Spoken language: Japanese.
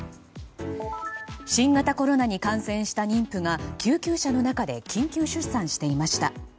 新型コロナに感染した妊婦が救急車の中で緊急出産していました。